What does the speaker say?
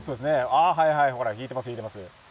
あはいはいほら引いてます引いてます。